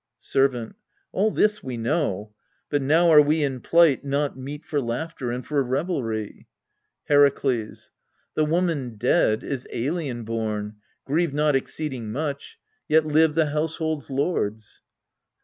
Servant. All this we know : but now are we in plight Not meet for laughter and for revelry. ALCESTIS 225 Herakles. The woman dead is alien born : grieve not Exceeding much. Yet live the household's lords.